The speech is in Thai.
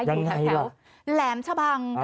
อยู่แถวแหลมชะบัง